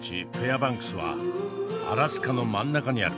バンクスはアラスカの真ん中にある。